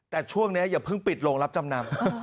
แต่ช่วงนี้อย่าเพิ่งปิดโรงรับจำนำ